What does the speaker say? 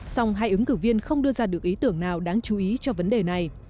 song hai ứng cử viên không đưa ra được ý tưởng nào đáng chú ý cho vấn đề này